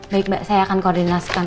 baik mbak saya akan koordinasikan